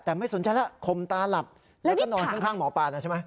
แต่ไม่สนใจแล้วคมตาหลับแล้วก็นอนข้างหมอปลานะใช่ไหม